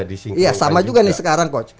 iya sama juga nih sekarang coach